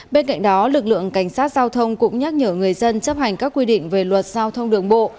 bên cạnh đó lực lượng cảnh sát giao thông cũng nhắc nhở người dân chấp hành các quy định về luật giao thông đường bộ